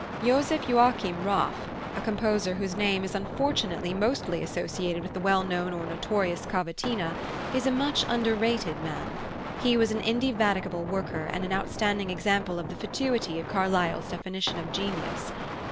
+Joseph Joachim Raff+, a composer whose name is unfortunately mostly associated with the well known or notorious Cavatina, is a much underrated man. He was an indefatigable worker and an outstanding example of the fatuity of Carlyle's definition of genius.